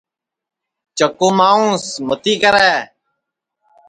چکُو مانٚوس متی کرے